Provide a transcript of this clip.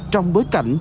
trong bối cảnh